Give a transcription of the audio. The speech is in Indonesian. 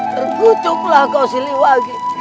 tergutuklah kau siliwangi